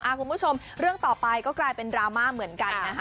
คุณผู้ชมเรื่องต่อไปก็กลายเป็นดราม่าเหมือนกันนะคะ